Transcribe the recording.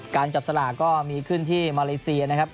จับสลากก็มีขึ้นที่มาเลเซียนะครับ